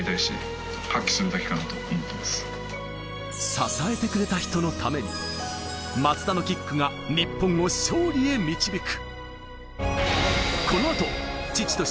支えてくれた人のために、松田のキックが日本を勝利へ導く。